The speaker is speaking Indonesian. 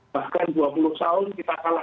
bahkan dua puluh tahun kita kalah